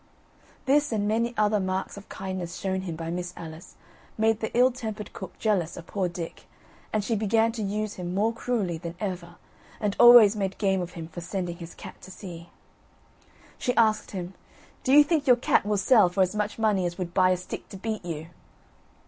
This, and many other marks of kindness shown him by Miss Alice, made the ill tempered cook jealous of poor Dick, and she began to use him more cruelly than ever, and always made game of him for sending his cat to sea. She asked him: "Do you think your cat will sell for as much money as would buy a stick to beat you?"